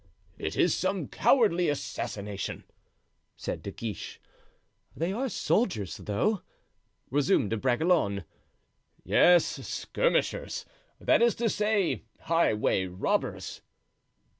"It is some cowardly assassination," said De Guiche. "They are soldiers, though," resumed De Bragelonne. "Yes, skirmishers; that is to say, highway robbers."